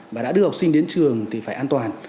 và đã đưa học sinh đến trường thì phải an toàn